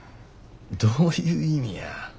どういう意味や。